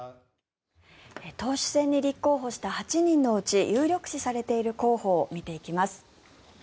党首選に立候補した８人のうち有力視されている候補を見ていきます。